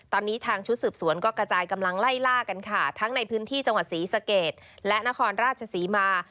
ตอนนี้ทางชุดสืบสวนก็กระจายกำลังไล่ล่ากันค่ะทั้งในพื้นที่จังหวัดศรีสะเกดและนครราชศรีมา